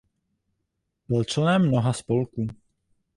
Byl členem mnoha spolků.